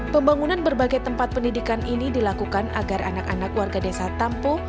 pembangunan berbagai tempat pendidikan ini dilakukan agar anak anak warga desa tampo